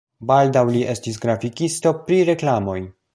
Baldaŭ li estis grafikisto pri reklamoj.